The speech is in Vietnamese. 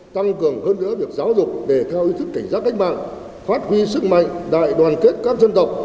tăng cường hơn nữa việc giáo dục đề cao ý thức cảnh giác cách mạng phát huy sức mạnh đại đoàn kết các dân tộc